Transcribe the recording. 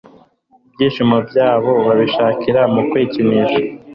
ibyishimo byabo bakabishakira mu kwikinisha.